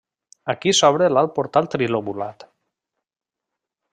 Aquí s'obre l'alt portal trilobulat.